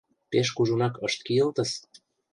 Пеш кужунак ышт кийылтыс.